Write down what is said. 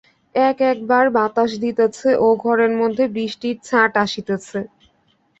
এক-এক বার বাতাস দিতেছে ও ঘরের মধ্যে বৃষ্টির ছাঁট আসিতেছে।